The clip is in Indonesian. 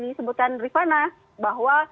disebutkan rifana bahwa